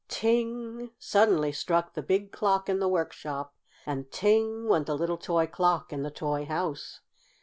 Ting! suddenly struck the big clock in the workshop. And ting! went the little toy clock in the toy house.